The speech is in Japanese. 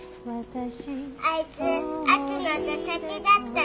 あいつ悪の手先だったの？